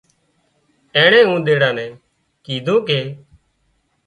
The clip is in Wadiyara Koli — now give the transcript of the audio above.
اينڻي اونۮاڙا نين ڪيڌون ڪي